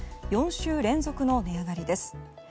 ４週連続の値上がりです。